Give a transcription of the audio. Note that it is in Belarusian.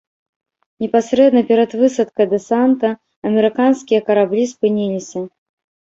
Непасрэдна перад высадкай дэсанта амерыканскія караблі спыніліся.